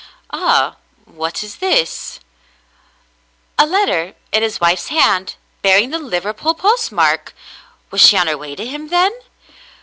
"Ah, what is this ?'^ A letter in his wife's hand, bear ing the Liverpool postmark ! Was she on her way to him, then